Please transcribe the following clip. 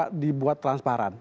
itu harus dibuka dibuat transparan